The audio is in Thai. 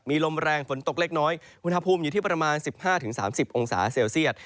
มีลมแรงฝนตกเล็กน้อยอุณหภูมิอยู่ที่ประมาณ๑๕๓๐องศาเซลเซียต